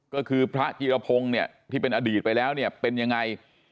ก็คือพระจีรพงศ์เนี่ยที่เป็นอดีตไปแล้วเนี่ยเป็นยังไง